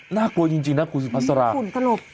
น่ากลัวจริงคุณสุดพัทธาฬาภาพขุนถล่มพลร้า